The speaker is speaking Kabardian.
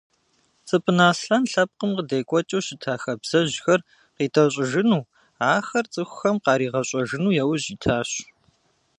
Цӏыпӏынэ Аслъэн лъэпкъым къыдекӏуэкӏыу щыта хабзэжьхэр къитӏэщӏыжыну, ахэр цӏыхухэм къаригъэщӏэжыну яужь итащ.